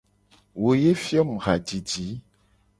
Wo ye fio mu hajiji.